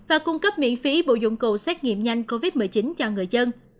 và cung cấp miễn phí bộ dụng cụ xét nghiệm nhanh covid một mươi chín cho người dân